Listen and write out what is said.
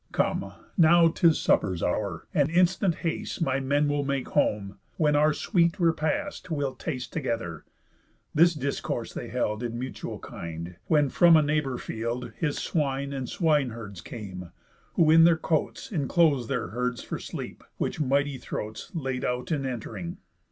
Come, now 'tis supper's hour, and instant haste My men will make home, when our sweet repast We'll taste together." This discourse they held In mutual kind, when from a neighbour field His swine and swine herds came, who in their cotes Inclos'd their herds for sleep, which mighty throats Laid out in ent'ring.